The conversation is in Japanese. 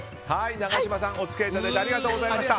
永島さんお付き合いいただいてありがとうございました。